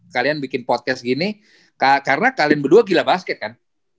kalian bikin podcast gini karena kalian berdua gila basket kan